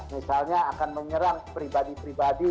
misalnya akan menyerang pribadi pribadi